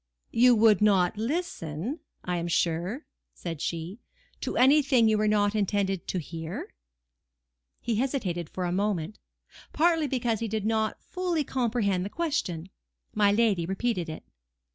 "You would not listen, I am sure," said she, "to anything you were not intended to hear?" He hesitated for a moment, partly because he did not fully comprehend the question. My lady repeated it.